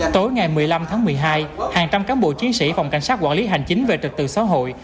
tối ngày một mươi năm tháng một mươi hai hàng trăm cán bộ chiến sĩ phòng cảnh sát quản lý hành chính về trật tự xã hội